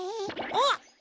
あっ！